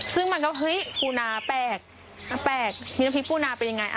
ซึ่งมันก็เฮ้ยปูนาแปลกมีน้ำพริกปูนาเป็นยังไง